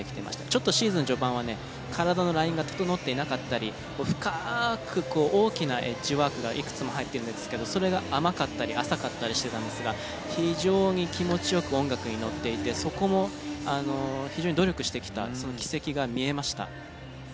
ちょっとシーズン序盤はね体のラインが整っていなかったり深く大きなエッジワークがいくつも入ってるんですけどそれが甘かったり浅かったりしてたんですが非常に気持ち良く音楽に乗っていてそこも非常に努力してきたその軌跡が見えました。